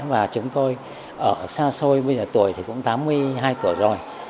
và chúng tôi ở xa xôi bây giờ tuổi thì cũng tám mươi hai tuổi rồi